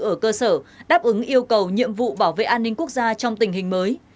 ở cơ sở đáp ứng yêu cầu nhiệm vụ bảo vệ an ninh quốc gia trong tình hình mới